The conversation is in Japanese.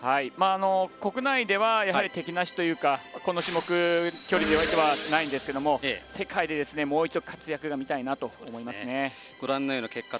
国内では敵なしというかこの種目、距離ではないですが世界でもう一度活躍が見たいと思います。